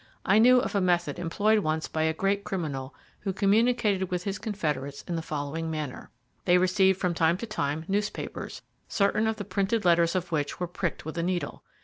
I knew of a method employed once by a great criminal who communicated with his confederates in the following manner. They received from time to time newspapers, certain of the printed letters of which were pricked with a needle.